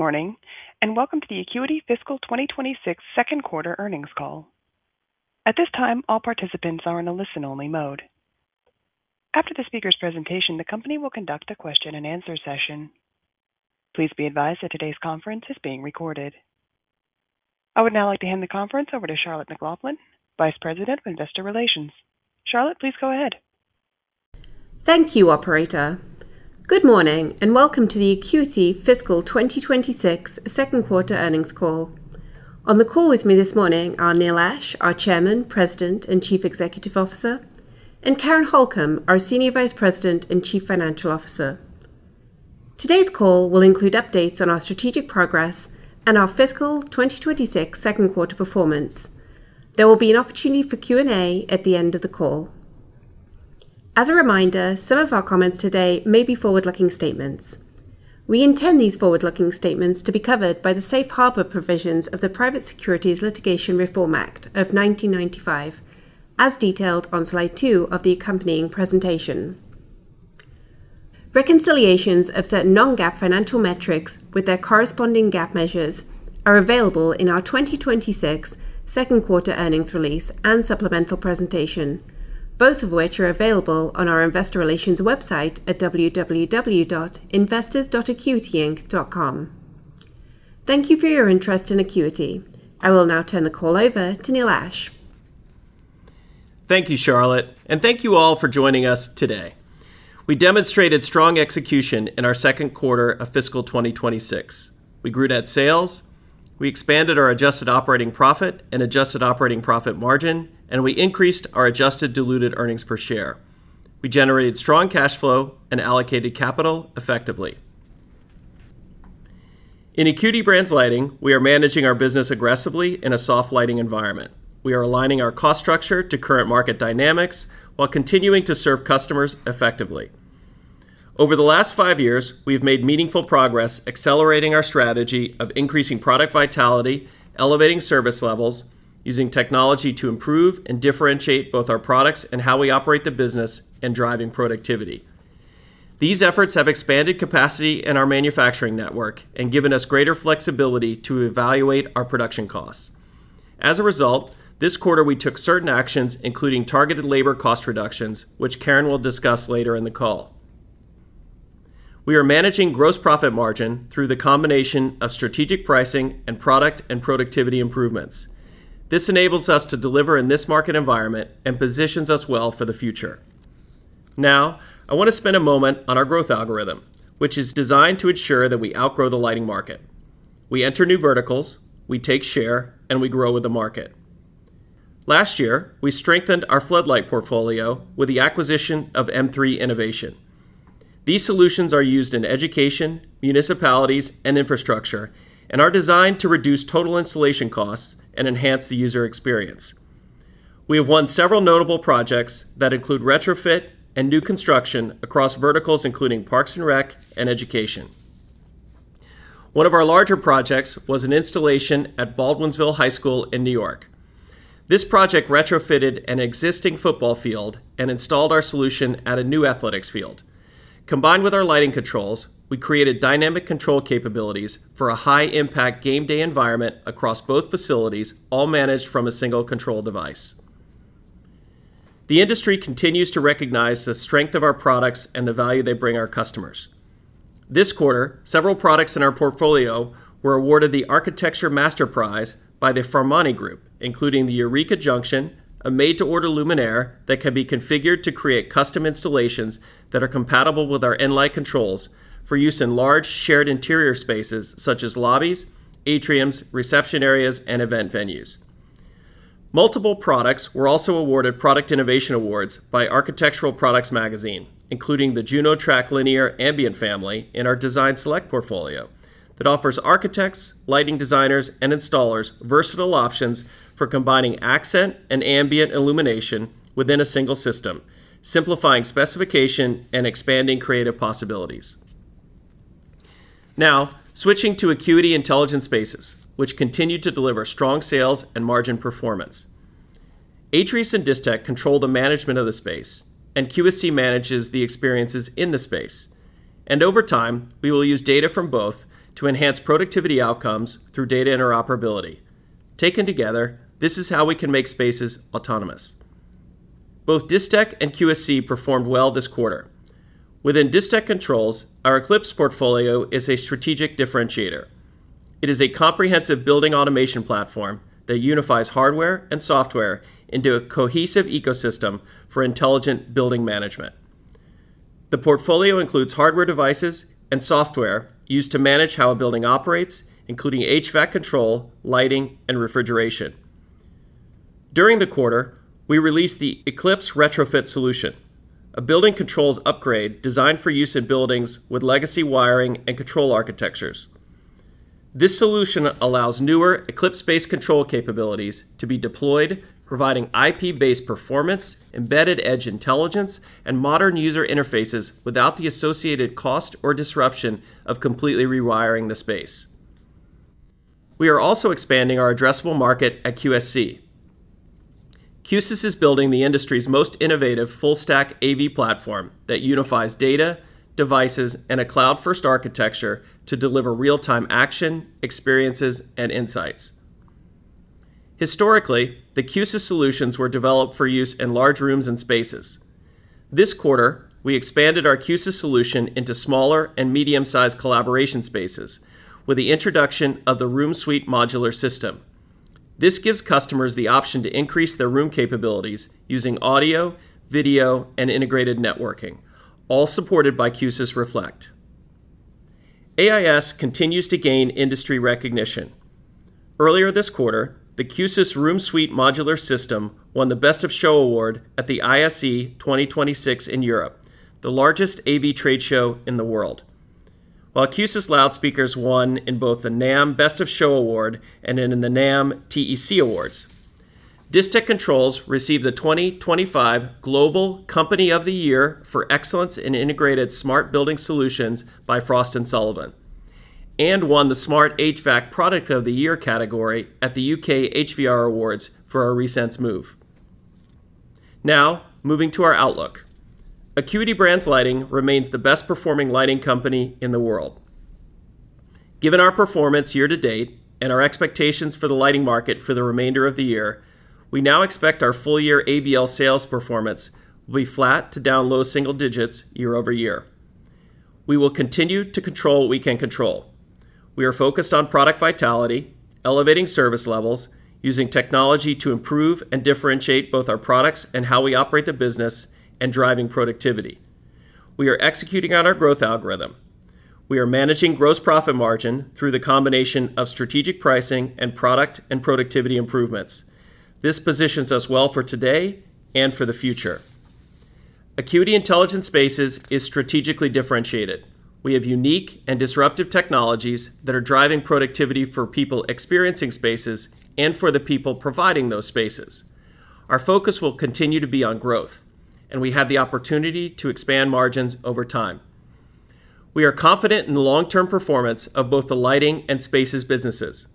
Morning, and welcome to the Acuity Fiscal 2026 second quarter earnings call. At this time, all participants are in a listen-only mode. After the speaker's presentation, the company will conduct a question-and-answer session. Please be advised that today's conference is being recorded. I would now like to hand the conference over to Charlotte McLaughlin, Vice President of Investor Relations. Charlotte, please go ahead. Thank you, operator. Good morning, and welcome to the Acuity Fiscal 2026 second quarter earnings call. On the call with me this morning are Neil Ashe, our Chairman, President, and Chief Executive Officer, and Karen Holcom, our Senior Vice President and Chief Financial Officer. Today's call will include updates on our strategic progress and our fiscal 2026 second quarter performance. There will be an opportunity for Q&A at the end of the call. As a reminder, some of our comments today may be forward-looking statements. We intend these forward-looking statements to be covered by the Safe Harbor provisions of the Private Securities Litigation Reform Act of 1995, as detailed on slide two of the accompanying presentation. Reconciliations of certain non-GAAP financial metrics with their corresponding GAAP measures are available in our 2026 second quarter earnings release and supplemental presentation, both of which are available on our investor relations website at www.investors.acuityinc.com. Thank you for your interest in Acuity. I will now turn the call over to Neil Ashe. Thank you, Charlotte. Thank you all for joining us today. We demonstrated strong execution in our second quarter of fiscal 2026. We grew net sales, we expanded our adjusted operating profit and adjusted operating profit margin, and we increased our adjusted diluted earnings per share. We generated strong cash flow and allocated capital effectively. In Acuity Brands Lighting, we are managing our business aggressively in a soft lighting environment. We are aligning our cost structure to current market dynamics while continuing to serve customers effectively. Over the last five years, we have made meaningful progress accelerating our strategy of increasing product vitality, elevating service levels, using technology to improve and differentiate both our products and how we operate the business and driving productivity. These efforts have expanded capacity in our manufacturing network and given us greater flexibility to evaluate our production costs. As a result, this quarter we took certain actions, including targeted labor cost reductions, which Karen Holcom will discuss later in the call. We are managing gross profit margin through the combination of strategic pricing and product and productivity improvements. This enables us to deliver in this market environment and positions us well for the future. Now, I want to spend a moment on our growth algorithm, which is designed to ensure that we outgrow the lighting market. We enter new verticals, we take share, and we grow with the market. Last year, we strengthened our floodlight portfolio with the acquisition of M3 Innovation. These solutions are used in education, municipalities, and infrastructure and are designed to reduce total installation costs and enhance the user experience. We have won several notable projects that include retrofit and new construction across verticals, including parks and rec and education. One of our larger projects was an installation at Baldwinsville High School in New York. This project retrofitted an existing football field and installed our solution at a new athletics field. Combined with our lighting controls, we created dynamic control capabilities for a high-impact game day environment across both facilities, all managed from a single control device. The industry continues to recognize the strength of our products and the value they bring our customers. This quarter, several products in our portfolio were awarded the Architecture MasterPrize by the Farmani Group, including the Eureka Junction, a made-to-order luminaire that can be configured to create custom installations that are compatible with our nLight controls for use in large, shared interior spaces such as lobbies, atriums, reception areas, and event venues. Multiple products were also awarded product innovation awards by Architectural Products Magazine, including the Juno Trac Linear Ambient family in our Design Select portfolio that offers architects, lighting designers, and installers versatile options for combining accent and ambient illumination within a single system, simplifying specification and expanding creative possibilities. Now, switching to Acuity Intelligent Spaces, which continue to deliver strong sales and margin performance. Atrius and Distech Controls control the management of the space, and QSC manages the experiences in the space. Over time, we will use data from both to enhance productivity outcomes through data interoperability. Taken together, this is how we can make spaces autonomous. Both Distech and QSC performed well this quarter. Within Distech Controls, our Eclipse portfolio is a strategic differentiator. It is a comprehensive building automation platform that unifies hardware and software into a cohesive ecosystem for intelligent building management. The portfolio includes hardware devices and software used to manage how a building operates, including HVAC control, lighting, and refrigeration. During the quarter, we released the Eclipse Retrofit Solution, a building controls upgrade designed for use in buildings with legacy wiring and control architectures. This solution allows newer Eclipse-based control capabilities to be deployed, providing IP-based performance, embedded edge intelligence, and modern user interfaces without the associated cost or disruption of completely rewiring the space. We are also expanding our addressable market at QSC. Q-SYS is building the industry's most innovative full stack AV platform that unifies data, devices, and a cloud-first architecture to deliver real-time action, experiences, and insights. Historically, the Q-SYS solutions were developed for use in large rooms and spaces. This quarter, we expanded our Q-SYS solution into smaller and medium-sized collaboration spaces with the introduction of the RoomSuite Modular System. This gives customers the option to increase their room capabilities using audio, video, and integrated networking, all supported by Q-SYS Reflect. AIS continues to gain industry recognition. Earlier this quarter, the Q-SYS RoomSuite Modular System won the Best of Show Award at the ISE 2026 in Europe, the largest AV trade show in the world. While Q-SYS loudspeakers won in both the NAMM Best of Show Award and in the NAMM TEC Awards. Distech Controls received the 2025 Global Company of the Year for Excellence in Integrated Smart Building Solutions by Frost & Sullivan, and won the Smart HVAC Product of the Year category at the U.K. HVR Awards for our Resense Move. Now, moving to our outlook. Acuity Brands Lighting remains the best performing lighting company in the world. Given our performance year to date and our expectations for the lighting market for the remainder of the year, we now expect our full-year ABL sales performance will be flat to down low single digits year-over-year. We will continue to control what we can control. We are focused on product vitality, elevating service levels, using technology to improve and differentiate both our products and how we operate the business, and driving productivity. We are executing on our growth algorithm. We are managing gross profit margin through the combination of strategic pricing and product and productivity improvements. This positions us well for today and for the future. Acuity Intelligent Spaces is strategically differentiated. We have unique and disruptive technologies that are driving productivity for people experiencing spaces and for the people providing those spaces. Our focus will continue to be on growth, and we have the opportunity to expand margins over time. We are confident in the long-term performance of both the lighting and spaces businesses.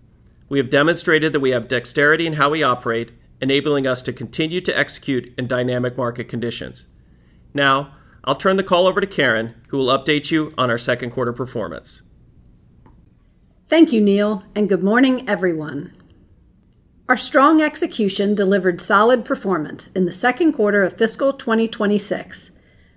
We have demonstrated that we have dexterity in how we operate, enabling us to continue to execute in dynamic market conditions. Now, I'll turn the call over to Karen, who will update you on our second quarter performance. Thank you, Neil, and good morning, everyone. Our strong execution delivered solid performance in the second quarter of fiscal 2026.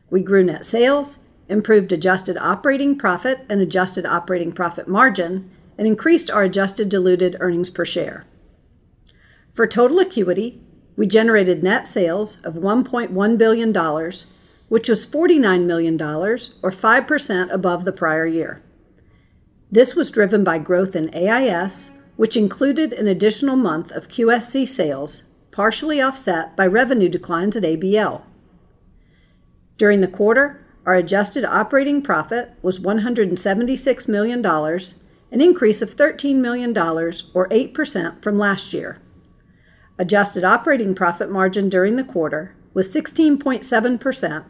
We grew net sales, improved adjusted operating profit and adjusted operating profit margin, and increased our adjusted diluted earnings per share. For total Acuity, we generated net sales of $1.1 billion, which was $49 million or 5% above the prior year. This was driven by growth in AIS, which included an additional month of QSC sales, partially offset by revenue declines at ABL. During the quarter, our adjusted operating profit was $176 million, an increase of $13 million or 8% from last year. Adjusted operating profit margin during the quarter was 16.7%,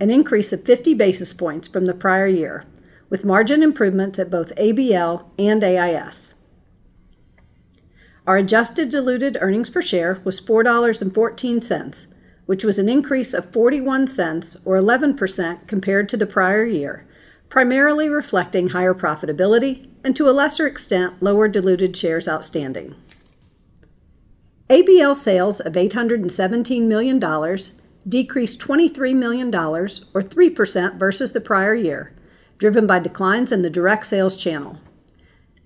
an increase of 50 basis points from the prior year, with margin improvements at both ABL and AIS. Our adjusted diluted earnings per share was $4.14, which was an increase of $0.41 or 11% compared to the prior year, primarily reflecting higher profitability and to a lesser extent, lower diluted shares outstanding. ABL sales of $817 million decreased $23 million or 3% versus the prior year, driven by declines in the direct sales channel.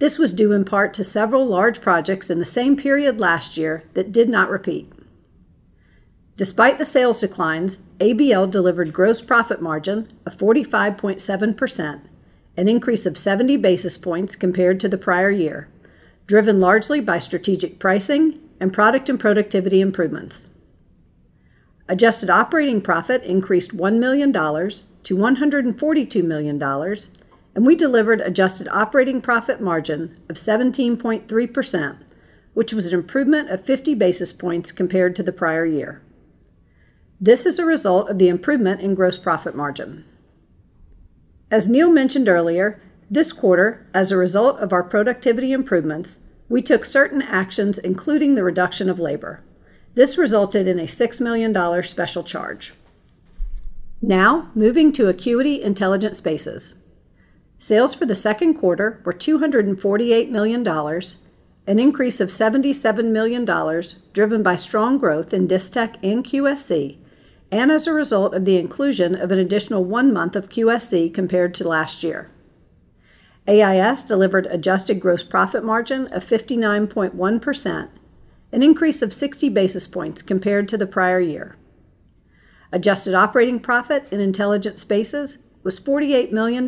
This was due in part to several large projects in the same period last year that did not repeat. Despite the sales declines, ABL delivered gross profit margin of 45.7%, an increase of 70 basis points compared to the prior year, driven largely by strategic pricing and product and productivity improvements. Adjusted operating profit increased $1 million-$142 million, and we delivered adjusted operating profit margin of 17.3%, which was an improvement of 50 basis points compared to the prior year. This is a result of the improvement in gross profit margin. As Neil mentioned earlier, this quarter, as a result of our productivity improvements, we took certain actions, including the reduction of labor. This resulted in a $6 million special charge. Now, moving to Acuity Intelligent Spaces. Sales for the second quarter were $248 million, an increase of $77 million, driven by strong growth in Distech and QSC, and as a result of the inclusion of an additional one month of QSC compared to last year. AIS delivered adjusted gross profit margin of 59.1%, an increase of 60 basis points compared to the prior year. Adjusted operating profit in Intelligent Spaces was $48 million,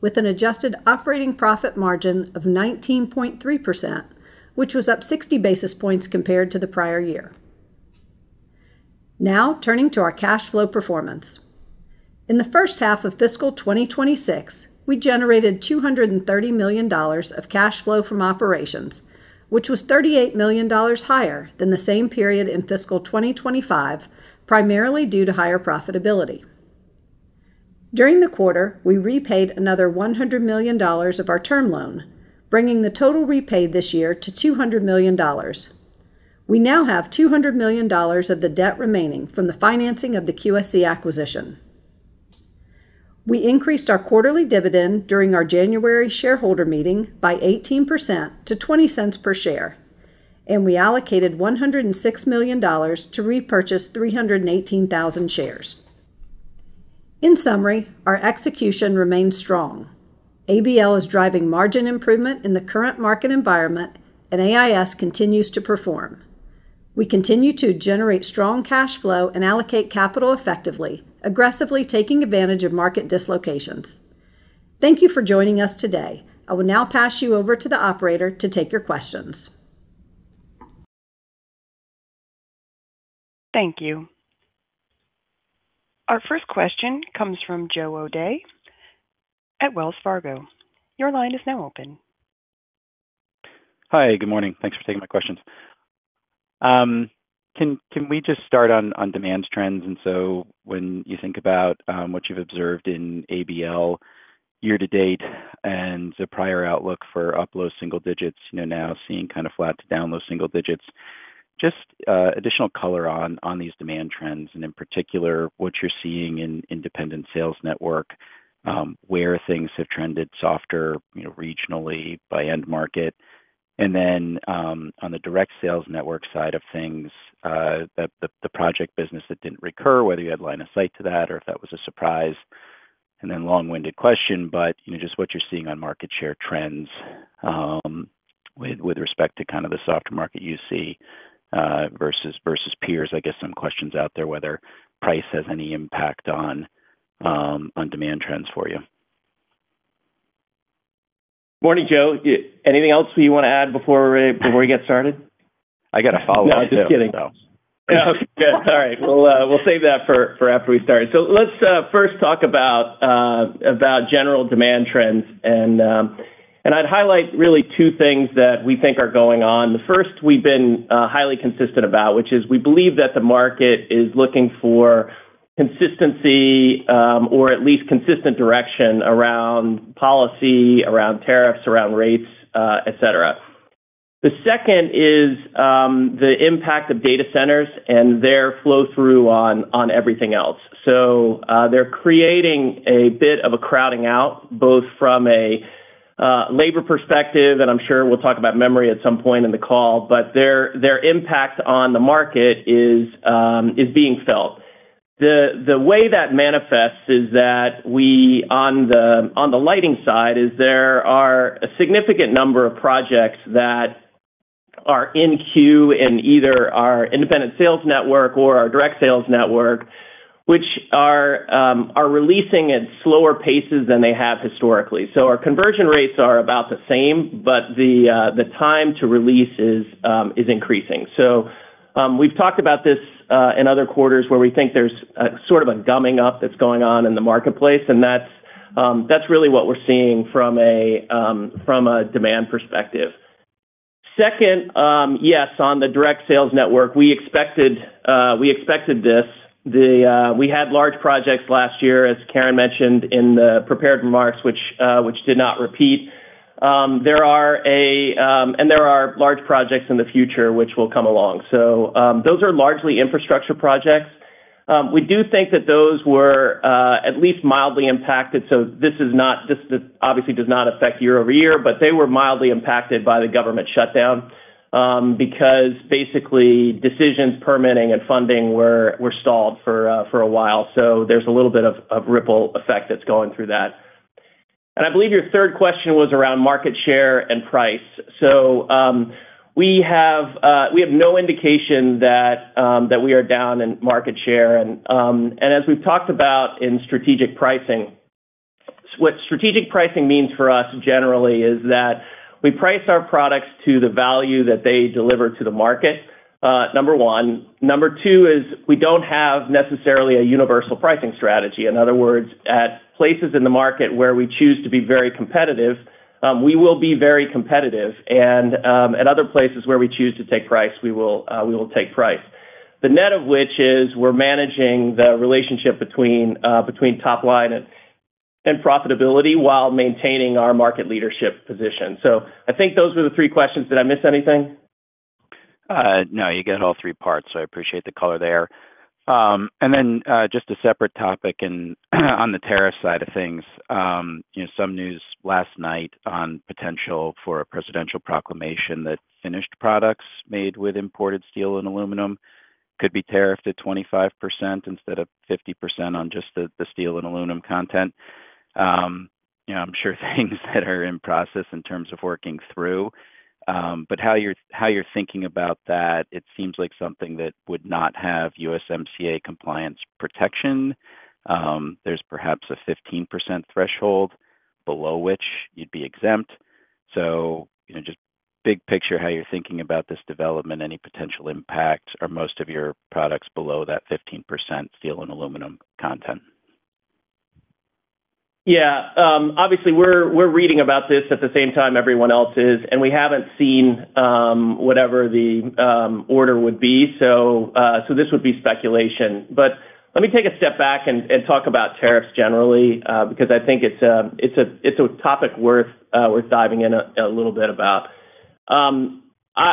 with an adjusted operating profit margin of 19.3%, which was up 60 basis points compared to the prior year. Now, turning to our cash flow performance. In the first half of fiscal 2026, we generated $230 million of cash flow from operations, which was $38 million higher than the same period in fiscal 2025, primarily due to higher profitability. During the quarter, we repaid another $100 million of our term loan, bringing the total repaid this year to $200 million. We now have $200 million of the debt remaining from the financing of the QSC acquisition. We increased our quarterly dividend during our January shareholder meeting by 18% to $0.20 per share, and we allocated $106 million to repurchase 318,000 shares. In summary, our execution remains strong. ABL is driving margin improvement in the current market environment, and AIS continues to perform. We continue to generate strong cash flow and allocate capital effectively, aggressively taking advantage of market dislocations. Thank you for joining us today. I will now pass you over to the operator to take your questions. Thank you. Our first question comes from Joe O'Dea at Wells Fargo. Your line is now open. Hi. Good morning. Thanks for taking my questions. Can we just start on demand trends? When you think about what you've observed in ABL year to date and the prior outlook for up low single digits, you know, now seeing kind of flat to down low single digits, just additional color on these demand trends, and in particular, what you're seeing in independent sales network, where things have trended softer, you know, regionally by end market. On the direct sales network side of things, the project business that didn't recur, whether you had line of sight to that or if that was a surprise. Long-winded question, but you know, just what you're seeing on market share trends, with respect to kind of the softer market you see, versus peers. I guess some questions out there whether price has any impact on demand trends for you. Morning, Joe. Anything else you wanna add before we get started? I got a follow-up too. No, just kidding. No. Okay. Good. All right. We'll save that for after we start. Let's first talk about general demand trends, and I'd highlight really two things that we think are going on. The first we've been highly consistent about, which is we believe that the market is looking for consistency, or at least consistent direction around policy, around tariffs, around rates, et cetera. The second is the impact of data centers and their flow-through on everything else. They're creating a bit of a crowding out, both from a labor perspective, and I'm sure we'll talk about memory at some point in the call, but their impact on the market is being felt. The way that manifests is that on the lighting side, there are a significant number of projects that are in queue in either our independent sales network or our direct sales network, which are releasing at slower paces than they have historically. Our conversion rates are about the same, but the time to release is increasing. We've talked about this in other quarters where we think there's a sort of a gumming up that's going on in the marketplace, and that's really what we're seeing from a demand perspective. Second, yes, on the direct sales network, we expected this. We had large projects last year, as Karen mentioned in the prepared remarks, which did not repeat. There are large projects in the future which will come along. Those are largely infrastructure projects. We do think that those were at least mildly impacted. This obviously does not affect year-over-year, but they were mildly impacted by the government shutdown because basically decisions permitting and funding were stalled for a while. There's a little bit of ripple effect that's going through that. I believe your third question was around market share and price. We have no indication that we are down in market share. As we've talked about in strategic pricing, what strategic pricing means for us generally is that we price our products to the value that they deliver to the market, number one. Number two is we don't have necessarily a universal pricing strategy. In other words, at places in the market where we choose to be very competitive, we will be very competitive. At other places where we choose to take price, we will take price. The net of which is we're managing the relationship between top-line and profitability while maintaining our market leadership position. I think those were the three questions. Did I miss anything? No, you get all three parts. I appreciate the color there. Just a separate topic and on the tariff side of things. You know, some news last night on potential for a presidential proclamation that finished products made with imported steel and aluminum could be tariff to 25% instead of 50% on just the steel and aluminum content. You know, I'm sure things that are in process in terms of working through, but how you're thinking about that, it seems like something that would not have USMCA compliance protection. There's perhaps a 15% threshold below which you'd be exempt. You know, just big picture, how you're thinking about this development, any potential impact? Are most of your products below that 15% steel and aluminum content? Yeah. Obviously we're reading about this at the same time everyone else is, and we haven't seen whatever the order would be. This would be speculation. Let me take a step back and talk about tariffs generally, because I think it's a topic worth diving in a little bit about.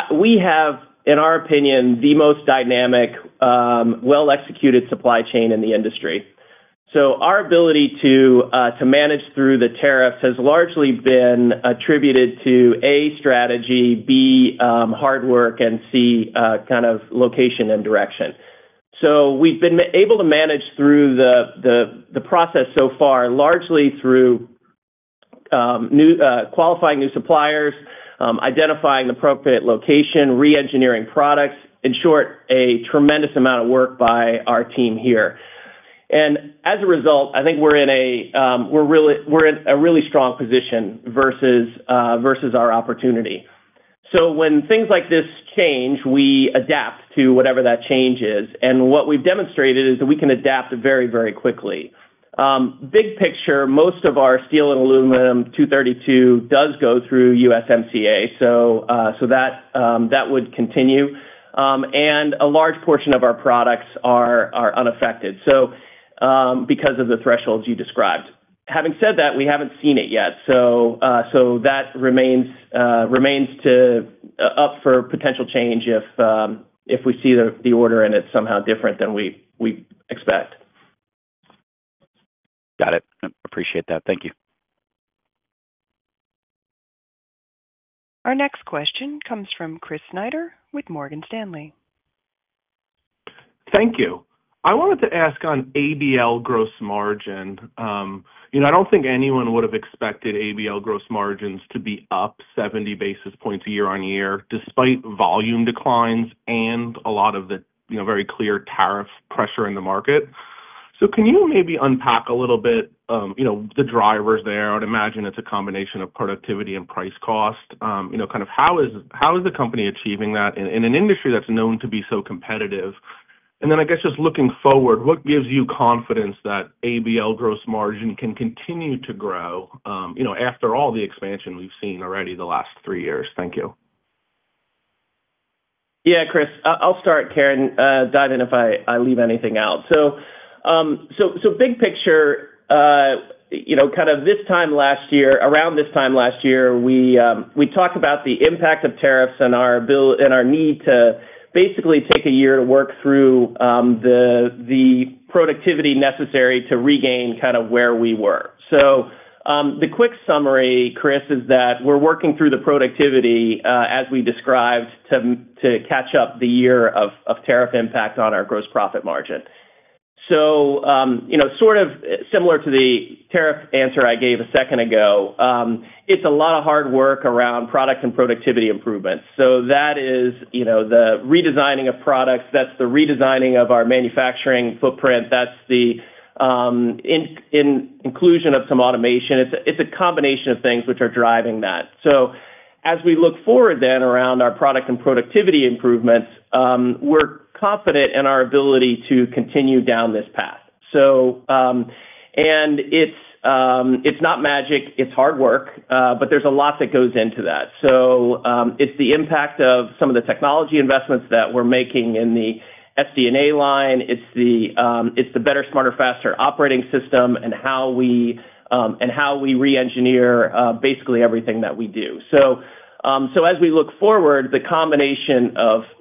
We have, in our opinion, the most dynamic, well-executed supply chain in the industry. Our ability to manage through the tariffs has largely been attributed to A, strategy, B, hard work, and C, kind of location and direction. We've been able to manage through the process so far, largely through qualifying new suppliers, identifying appropriate location, re-engineering products. In short, a tremendous amount of work by our team here. As a result, I think we're in a really strong position versus our opportunity. When things like this change, we adapt to whatever that change is, and what we've demonstrated is that we can adapt very, very quickly. Big picture, most of our steel and aluminum 232 does go through USMCA, so that would continue. A large portion of our products are unaffected because of the thresholds you described. Having said that, we haven't seen it yet, so that remains up for potential change if we see the order and it's somehow different than we expect. Got it. Appreciate that. Thank you. Our next question comes from Chris Snyder with Morgan Stanley. Thank you. I wanted to ask on ABL gross margin. You know, I don't think anyone would have expected ABL gross margins to be up 70 basis points year-over-year despite volume declines and a lot of the, you know, very clear tariff pressure in the market. Can you maybe unpack a little bit, you know, the drivers there? I would imagine it's a combination of productivity and price cost. You know, kind of how is the company achieving that in an industry that's known to be so competitive? Then I guess just looking forward, what gives you confidence that ABL gross margin can continue to grow, you know, after all the expansion we've seen already the last three years? Thank you. Yeah, Chris, I'll start. Karen, dive in if I leave anything out. Big picture, you know, kind of this time last year, around this time last year, we talked about the impact of tariffs and our build and our need to basically take a year to work through the productivity necessary to regain kind of where we were. The quick summary, Chris, is that we're working through the productivity as we described to catch up the year of tariff impact on our gross profit margin. You know, sort of similar to the tariff answer I gave a second ago, it's a lot of hard work around product and productivity improvements. That is, you know, the redesigning of products. That's the redesigning of our manufacturing footprint. That's the inclusion of some automation. It's a combination of things which are driving that. As we look forward then around our product and productivity improvements, we're confident in our ability to continue down this path. It's not magic. It's hard work, but there's a lot that goes into that. It's the impact of some of the technology investments that we're making in the SD&A line. It's the better, smarter, faster operating system and how we re-engineer basically everything that we do. As we look forward, the combination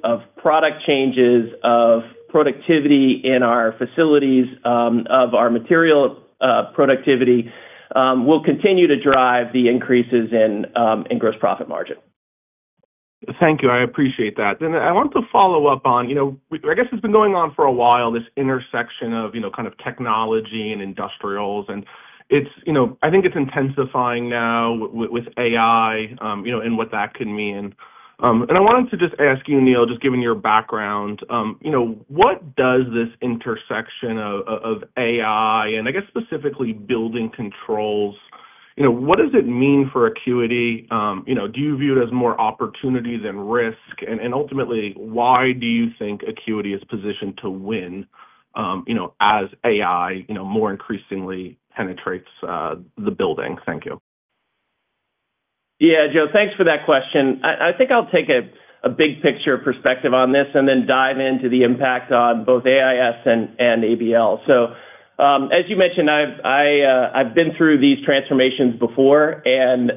of product changes, of productivity in our facilities, of our material productivity, will continue to drive the increases in gross profit margin. Thank you. I appreciate that. I want to follow up on, you know, I guess it's been going on for a while, this intersection of, you know, kind of technology and industrials, and it's, you know, I think it's intensifying now with AI, you know, and what that can mean. I wanted to just ask you, Neil, just given your background, you know, what does this intersection of AI and I guess specifically building controls, you know, what does it mean for Acuity? You know, do you view it as more opportunity than risk? And ultimately, why do you think Acuity is positioned to win, you know, as AI, you know, more increasingly penetrates the building? Thank you. Yeah. Joe, thanks for that question. I think I'll take a big picture perspective on this and then dive into the impact on both AIS and ABL. As you mentioned, I've been through these transformations before and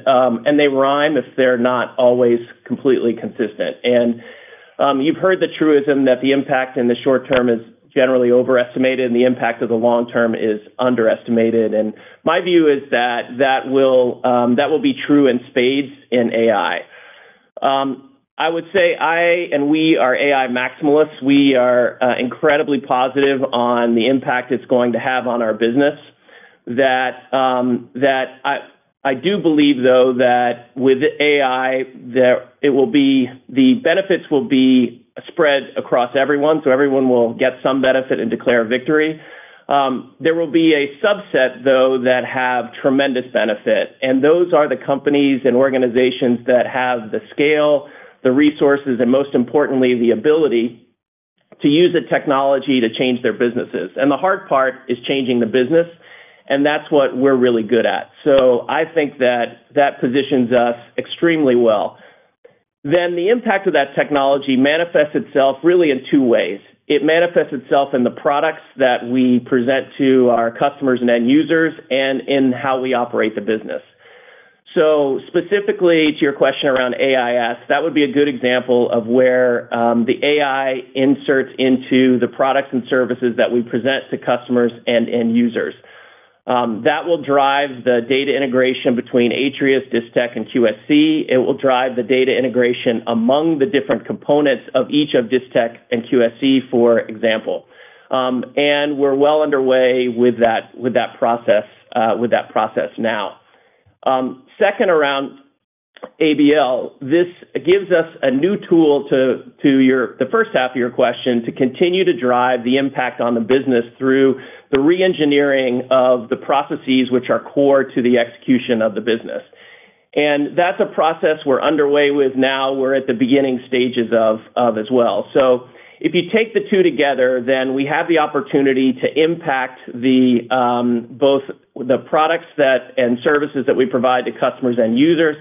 they rhyme if they're not always completely consistent. You've heard the truism that the impact in the short term is generally overestimated, and the impact of the long term is underestimated. My view is that that will be true in spades in AI. I would say I and we are AI maximalists. We are incredibly positive on the impact it's going to have on our business. I do believe though that with AI, the benefits will be spread across everyone, so everyone will get some benefit and declare victory. There will be a subset, though, that have tremendous benefit, and those are the companies and organizations that have the scale, the resources, and most importantly, the ability to use the technology to change their businesses. The hard part is changing the business, and that's what we're really good at. I think that positions us extremely well. The impact of that technology manifests itself really in two ways. It manifests itself in the products that we present to our customers and end users, and in how we operate the business. Specifically to your question around AIS, that would be a good example of where the AI inserts into the products and services that we present to customers and end users. That will drive the data integration between Atrius, Distech, and QSC. It will drive the data integration among the different components of each of Distech and QSC, for example. We're well underway with that process now. Second, around ABL. This gives us a new tool to the first half of your question, to continue to drive the impact on the business through the re-engineering of the processes which are core to the execution of the business. That's a process we're underway with now. We're at the beginning stages of as well. If you take the two together, we have the opportunity to impact both the products and services that we provide to customers and users,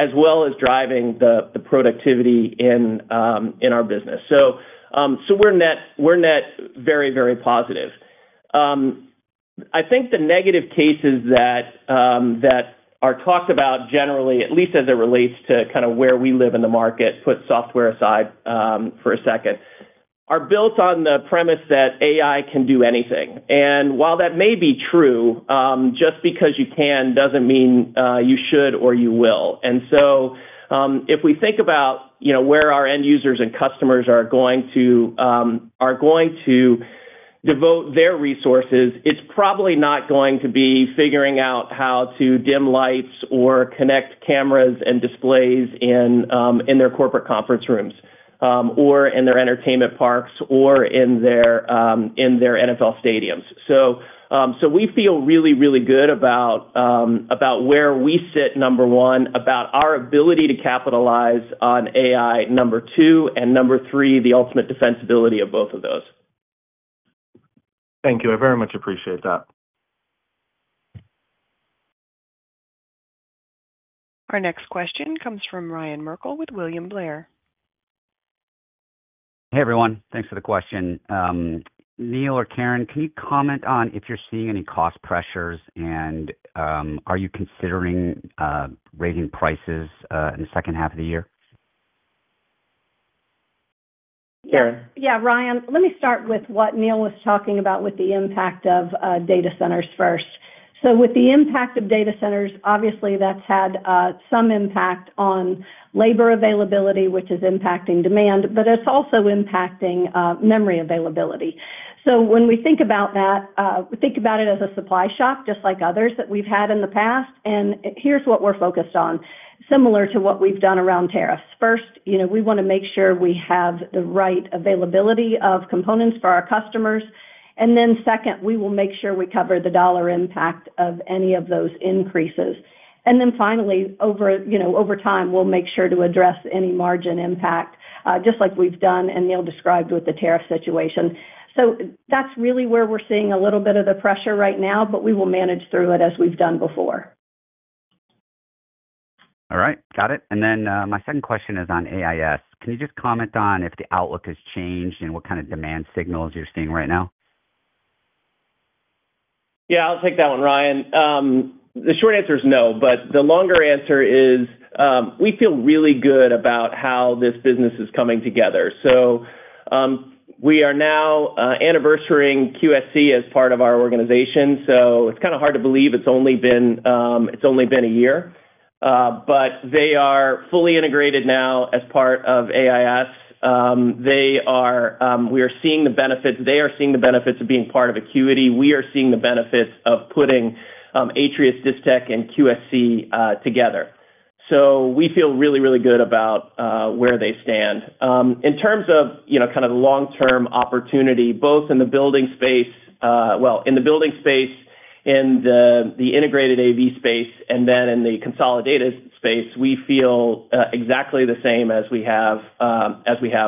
as well as driving the productivity in our business. We're net very positive. I think the negative cases that are talked about generally, at least as it relates to kind of where we live in the market, put software aside, for a second, are built on the premise that AI can do anything. While that may be true, just because you can doesn't mean you should or you will. If we think about, you know, where our end users and customers are going to devote their resources, it's probably not going to be figuring out how to dim lights or connect cameras and displays in their corporate conference rooms, or in their entertainment parks or in their NFL stadiums. We feel really, really good about where we sit, number one, about our ability to capitalize on AI, number two, and number three, the ultimate defensibility of both of those. Thank you. I very much appreciate that. Our next question comes from Ryan Merkel with William Blair. Hey, everyone. Thanks for the question. Neil or Karen, can you comment on if you're seeing any cost pressures and are you considering raising prices in the second half of the year? Yeah, Ryan, let me start with what Neil was talking about with the impact of data centers first. With the impact of data centers, obviously that's had some impact on labor availability, which is impacting demand, but it's also impacting memory availability. When we think about that, we think about it as a supply shock, just like others that we've had in the past. Here's what we're focused on, similar to what we've done around tariffs. First, you know, we want to make sure we have the right availability of components for our customers. Then second, we will make sure we cover the dollar impact of any of those increases. Then finally, over time, we'll make sure to address any margin impact, just like we've done and Neil described with the tariff situation. That's really where we're seeing a little bit of the pressure right now, but we will manage through it as we've done before. All right. Got it. My second question is on AIS. Can you just comment on if the outlook has changed and what kind of demand signals you're seeing right now? Yeah, I'll take that one, Ryan. The short answer is no, but the longer answer is, we feel really good about how this business is coming together. We are now anniversarying QSC as part of our organization, so it's kind of hard to believe it's only been a year. They are fully integrated now as part of AIS. They are seeing the benefits of being part of Acuity. We are seeing the benefits of putting Atrius, Distech, and QSC together. We feel really, really good about where they stand. In terms of, you know, kind of long-term opportunity, both in the building space, in the integrated AV space, and then in the consolidated space, we feel exactly the same as we have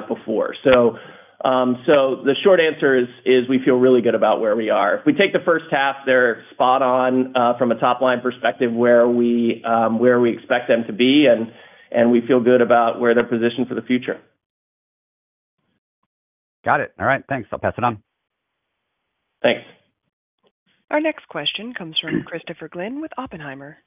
before. The short answer is we feel really good about where we are. If we take the first half, they're spot on from a top-line perspective, where we expect them to be, and we feel good about where they're positioned for the future. Got it. All right, thanks. I'll pass it on. Thanks. Our next question comes from Christopher Glynn with Oppenheimer.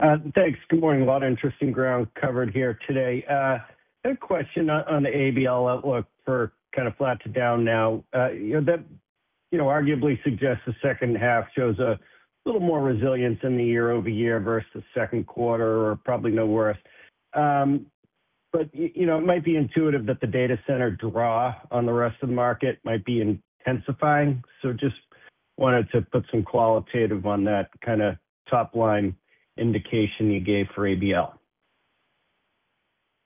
Thanks. Good morning. A lot of interesting ground covered here today. I had a question on the ABL outlook for kind of flat to down now. You know, that you know, arguably suggests the second half shows a little more resilience in the year-over-year versus second quarter or probably no worse. You know, it might be intuitive that the data center draw on the rest of the market might be intensifying. Just wanted to put some qualitative on that kind of top-line indication you gave for ABL.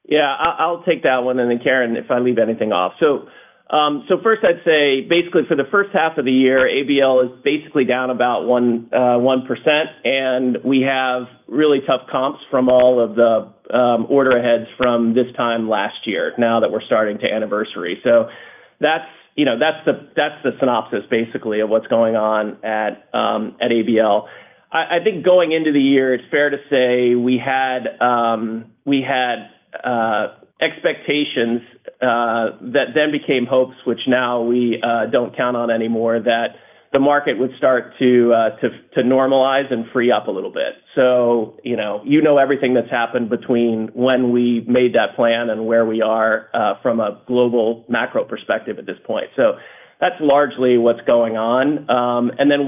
Yeah. I'll take that one and then Karen, if I leave anything off. First I'd say basically for the first half of the year, ABL is basically down about 1%, and we have really tough comps from all of the order adds from this time last year now that we're starting to anniversary. That's, you know, the synopsis basically of what's going on at ABL. I think going into the year, it's fair to say we had expectations that then became hopes, which now we don't count on anymore, that the market would start to normalize and free up a little bit. You know everything that's happened between when we made that plan and where we are from a global macro perspective at this point. That's largely what's going on.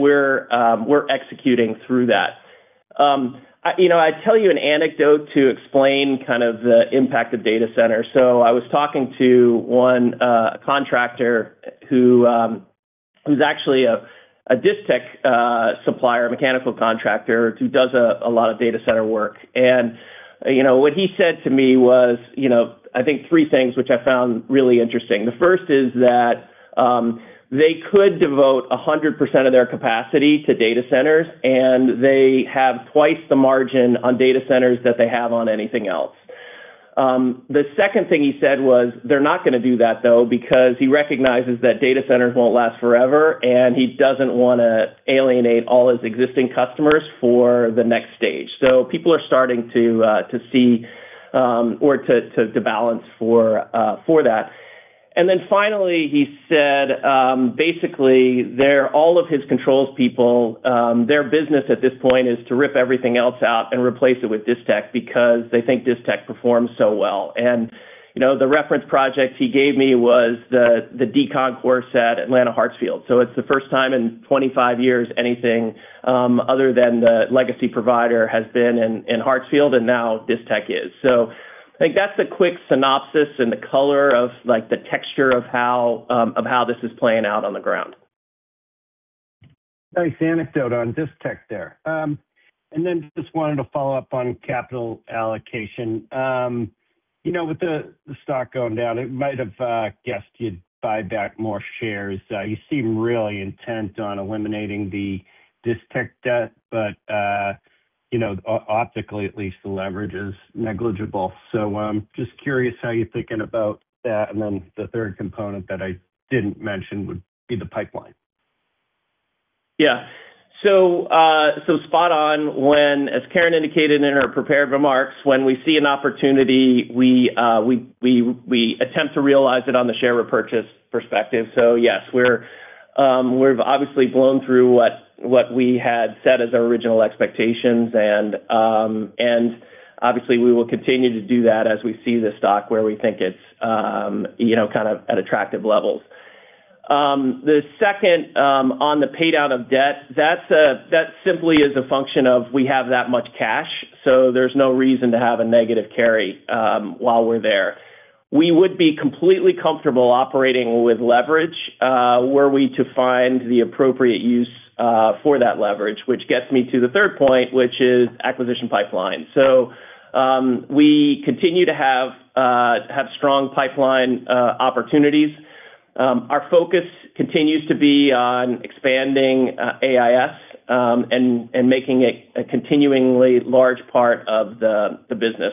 We're executing through that. You know, I tell you an anecdote to explain kind of the impact of data center. I was talking to one contractor who's actually a Distech supplier, mechanical contractor who does a lot of data center work. You know, what he said to me was, you know, I think three things which I found really interesting. The first is that they could devote 100% of their capacity to data centers, and they have twice the margin on data centers that they have on anything else. The second thing he said was they're not gonna do that though, because he recognizes that data centers won't last forever, and he doesn't wanna alienate all his existing customers for the next stage. People are starting to see or to balance for that. Finally he said basically all of his controls people, their business at this point is to rip everything else out and replace it with Distech because they think Distech performs so well. You know, the reference project he gave me was the concourse at Atlanta Hartsfield. It's the first time in 25 years anything other than the legacy provider has been in Hartsfield and now Distech is. I think that's a quick synopsis and the color of like the texture of how this is playing out on the ground. Nice anecdote on Distech there. Just wanted to follow up on capital allocation. You know, with the stock going down, I might have guessed you'd buy back more shares. You seem really intent on eliminating the Distech debt, but you know, optically at least the leverage is negligible. Just curious how you're thinking about that. The third component that I didn't mention would be the pipeline. As Karen Holcom indicated in her prepared remarks, when we see an opportunity, we attempt to realize it on the share repurchase perspective. Yes, we've obviously blown through what we had set as our original expectations and obviously we will continue to do that as we see the stock where we think it's, you know, kind of at attractive levels. The second, on the paydown of debt, that's simply a function of we have that much cash, so there's no reason to have a negative carry while we're there. We would be completely comfortable operating with leverage were we to find the appropriate use for that leverage, which gets me to the third point, which is acquisition pipeline. We continue to have strong pipeline opportunities. Our focus continues to be on expanding AIS and making it a continually large part of the business.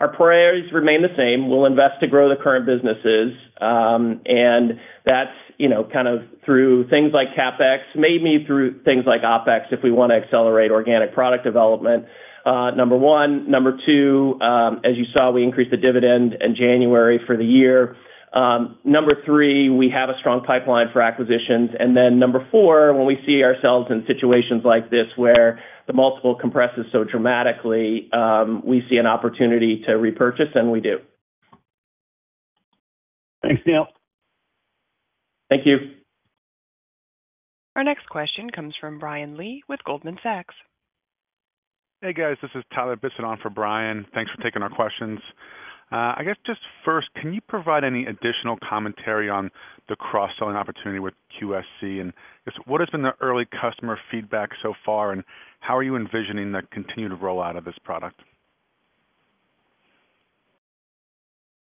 Our priorities remain the same. We'll invest to grow the current businesses, and that's, you know, kind of through things like CapEx, maybe through things like OpEx if we wanna accelerate organic product development, number one. Number two, as you saw, we increased the dividend in January for the year. Number three, we have a strong pipeline for acquisitions. Number four, when we see ourselves in situations like this where the multiple compresses so dramatically, we see an opportunity to repurchase, and we do. Thanks, Neil. Thank you. Our next question comes from Brian Lee with Goldman Sachs. Hey, guys. This is Tyler Bisset on for Brian. Thanks for taking our questions. I guess just first, can you provide any additional commentary on the cross-selling opportunity with QSC? Just what has been the early customer feedback so far, and how are you envisioning the continued rollout of this product?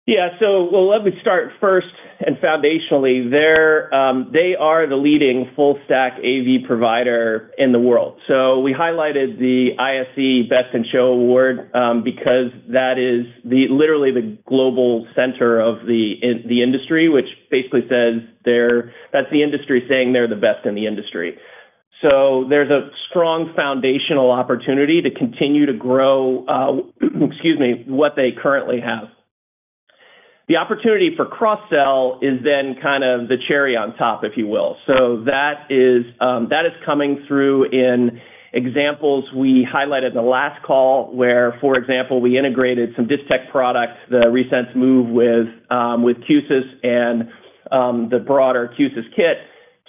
Yeah. Well, let me start first and foundationally there, they are the leading full stack AV provider in the world. We highlighted the ISE Best of Show Award because that is literally the global center of the industry, which basically says that's the industry saying they're the best in the industry. There's a strong foundational opportunity to continue to grow, excuse me, what they currently have. The opportunity for cross-sell is then kind of the cherry on top, if you will. That is coming through in examples we highlighted in the last call, where, for example, we integrated some Distech products, the Resense Move with Q-SYS and the broader Q-SYS Kit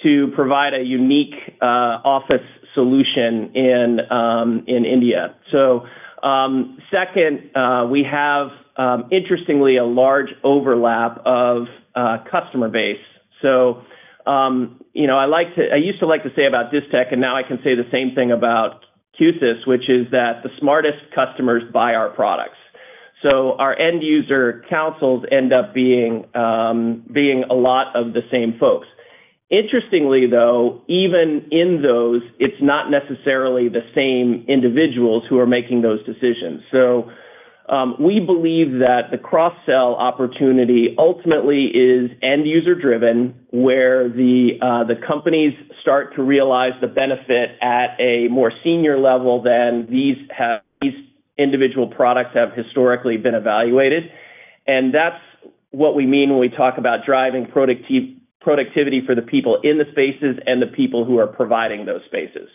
to provide a unique office solution in India. Second, we have, interestingly, a large overlap of customer base. You know, I used to like to say about Distech, and now I can say the same thing about Q-SYS, which is that the smartest customers buy our products. Our end user councils end up being a lot of the same folks. Interestingly, though, even in those, it's not necessarily the same individuals who are making those decisions. We believe that the cross-sell opportunity ultimately is end-user driven, where the companies start to realize the benefit at a more senior level than these individual products have historically been evaluated. That's what we mean when we talk about driving productivity for the people in the spaces and the people who are providing those spaces.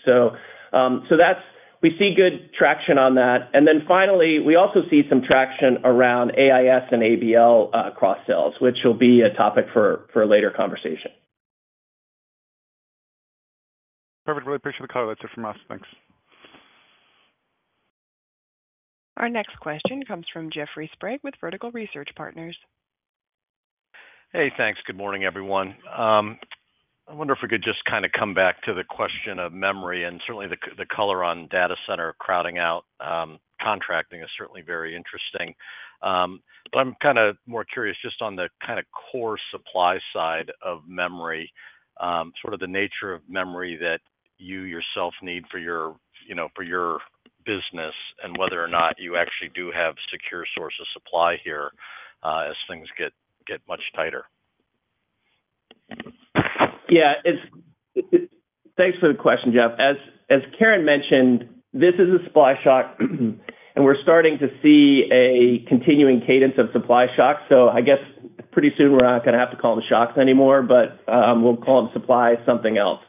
We see good traction on that. Then finally, we also see some traction around AIS and ABL cross-sells, which will be a topic for a later conversation. Perfect. Really appreciate the color. That's it from us. Thanks. Our next question comes from Jeffrey Sprague with Vertical Research Partners. Hey, thanks. Good morning, everyone. I wonder if we could just kind of come back to the question of memory, and certainly the color on data center crowding out, contracting is certainly very interesting. But I'm kinda more curious just on the kinda core supply side of memory, sort of the nature of memory that you yourself need for your, you know, for your business, and whether or not you actually do have secure source of supply here, as things get much tighter. Thanks for the question, Jeff. As Karen mentioned, this is a supply shock, and we're starting to see a continuing cadence of supply shocks. I guess pretty soon we're not gonna have to call them shocks anymore, but we'll call them supply something else.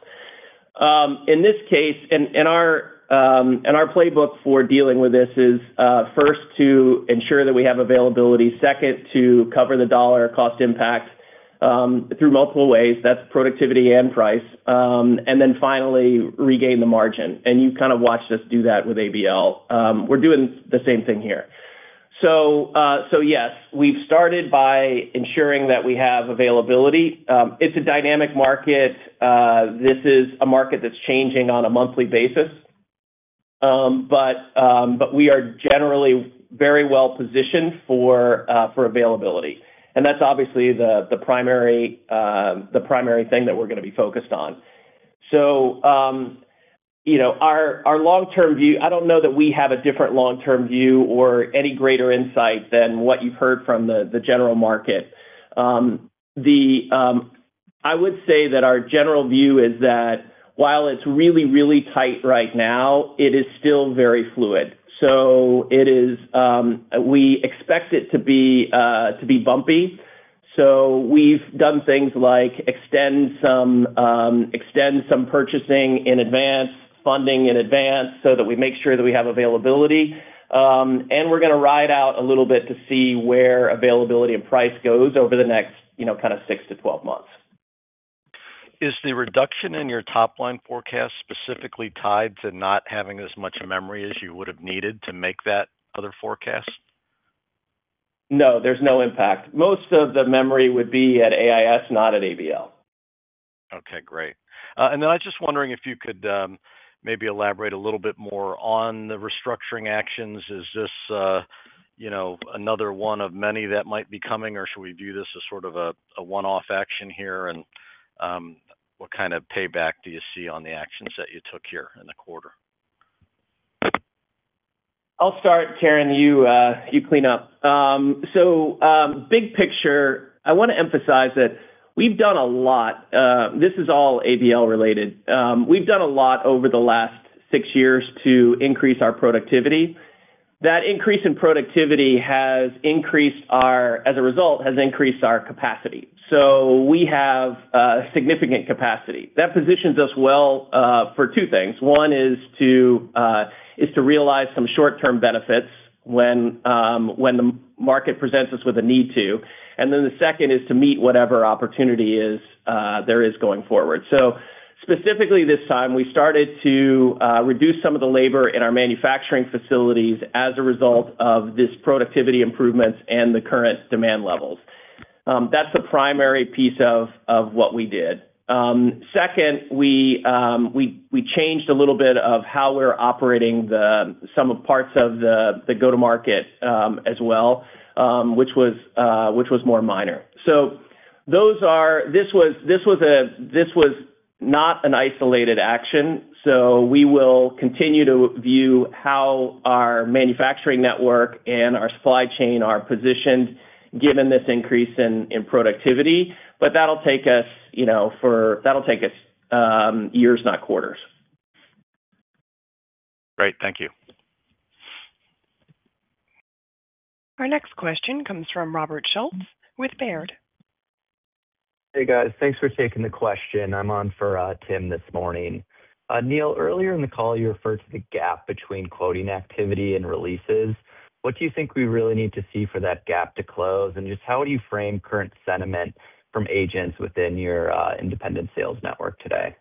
In this case, our playbook for dealing with this is first to ensure that we have availability. Second, to cover the dollar cost impact through multiple ways. That's productivity and price. Then finally regain the margin. You've kind of watched us do that with ABL. We're doing the same thing here. Yes, we've started by ensuring that we have availability. It's a dynamic market. This is a market that's changing on a monthly basis. We are generally very well positioned for availability. That's obviously the primary thing that we're gonna be focused on. You know, our long-term view, I don't know that we have a different long-term view or any greater insight than what you've heard from the general market. I would say that our general view is that while it's really, really tight right now, it is still very fluid. We expect it to be bumpy. We've done things like extend some purchasing in advance, funding in advance so that we make sure that we have availability. We're gonna ride out a little bit to see where availability and price goes over the next, you know, kind of six to 12 months. Is the reduction in your top-line forecast specifically tied to not having as much memory as you would have needed to make that other forecast? No, there's no impact. Most of the memory would be at AIS, not at ABL. Okay, great. I was just wondering if you could maybe elaborate a little bit more on the restructuring actions. Is this, you know, another one of many that might be coming, or should we view this as sort of a one-off action here? What kind of payback do you see on the actions that you took here in the quarter? I'll start, Karen, you clean up. Big picture, I wanna emphasize that we've done a lot. This is all ABL related. We've done a lot over the last six years to increase our productivity. That increase in productivity, as a result, has increased our capacity. We have significant capacity. That positions us well for two things. One is to realize some short-term benefits when the market presents us with a need to, and then the second is to meet whatever opportunity there is going forward. Specifically this time, we started to reduce some of the labor in our manufacturing facilities as a result of this productivity improvements and the current demand levels. That's the primary piece of what we did. Second, we changed a little bit of how we're operating some of the parts of the go-to-market as well, which was more minor. This was not an isolated action, so we will continue to view how our manufacturing network and our supply chain are positioned given this increase in productivity. That'll take us, you know, years, not quarters. Great. Thank you. Our next question comes from Robert Schultz with Baird. Hey, guys. Thanks for taking the question. I'm on for Tim this morning. Neil, earlier in the call you referred to the gap between quoting activity and releases. What do you think we really need to see for that gap to close? And just how would you frame current sentiment from agents within your independent sales network today?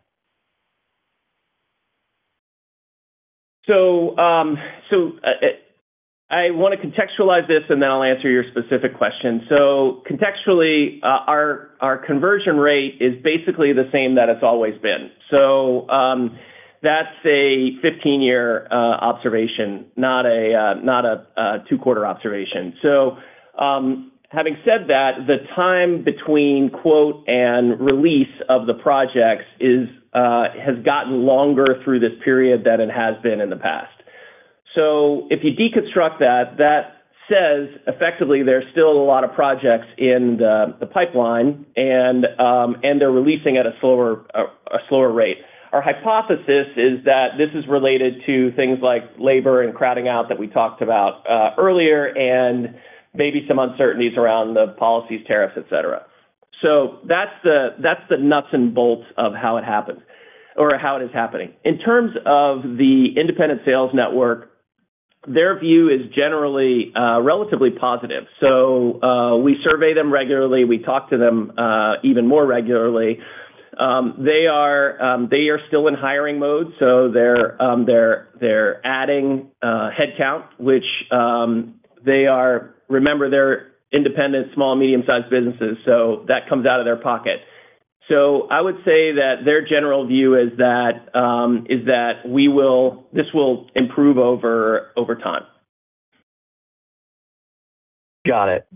I want to contextualize this, and then I'll answer your specific question. Contextually, our conversion rate is basically the same that it's always been. That's a 15-year observation, not a two quarter observation. Having said that, the time between quote and release of the projects has gotten longer through this period than it has been in the past. If you deconstruct that says effectively there's still a lot of projects in the pipeline and they're releasing at a slower rate. Our hypothesis is that this is related to things like labor and crowding out that we talked about earlier and maybe some uncertainties around the policies, tariffs, et cetera. That's the nuts and bolts of how it happens or how it is happening. In terms of the independent sales network, their view is generally relatively positive. We survey them regularly. We talk to them even more regularly. They are still in hiring mode, so they're adding headcount. Remember, they're independent small, medium-sized businesses, so that comes out of their pocket. I would say that their general view is that this will improve over time. Got it.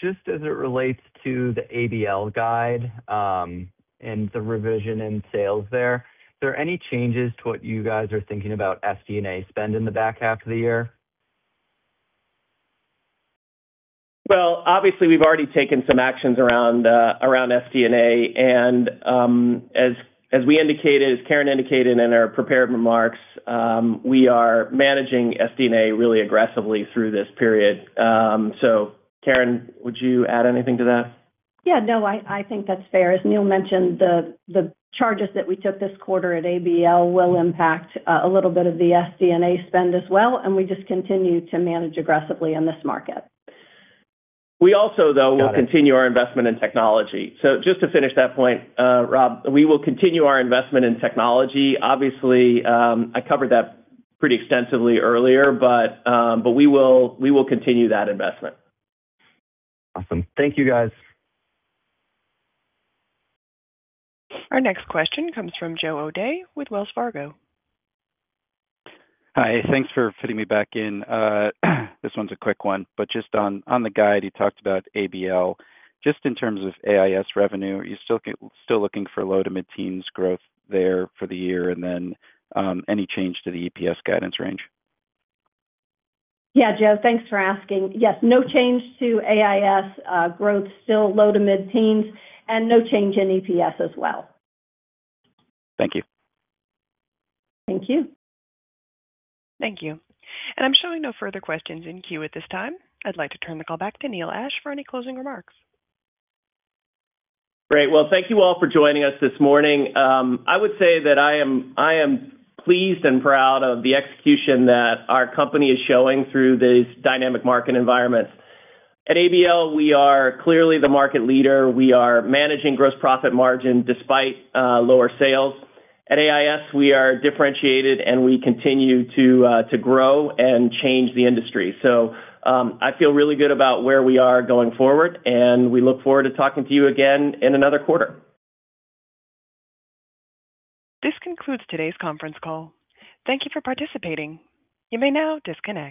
Just as it relates to the ABL guide, and the revision in sales there, are there any changes to what you guys are thinking about SD&A spend in the back half of the year? Well, obviously, we've already taken some actions around SD&A, and as we indicated, as Karen indicated in our prepared remarks, we are managing SD&A really aggressively through this period. Karen, would you add anything to that? Yeah. No, I think that's fair. As Neil mentioned, the charges that we took this quarter at ABL will impact a little bit of the SD&A spend as well, and we just continue to manage aggressively in this market. We also, though, will continue our investment in technology. Just to finish that point, Rob, we will continue our investment in technology. Obviously, I covered that pretty extensively earlier, but we will continue that investment. Awesome. Thank you, guys. Our next question comes from Joe O'Dea with Wells Fargo. Hi. Thanks for fitting me back in. This one's a quick one, but just on the guide, you talked about ABL. Just in terms of AIS revenue, are you still looking for low- to mid-teens growth there for the year? Any change to the EPS guidance range? Yeah, Joe, thanks for asking. Yes, no change to AIS. Growth still low- to mid-teens%, and no change in EPS as well. Thank you. Thank you. Thank you. I'm showing no further questions in queue at this time. I'd like to turn the call back to Neil Ashe for any closing remarks. Great. Well, thank you all for joining us this morning. I would say that I am pleased and proud of the execution that our company is showing through these dynamic market environments. At ABL, we are clearly the market leader. We are managing gross profit margin despite lower sales. At AIS, we are differentiated, and we continue to grow and change the industry. I feel really good about where we are going forward, and we look forward to talking to you again in another quarter. This concludes today's conference call. Thank you for participating. You may now disconnect.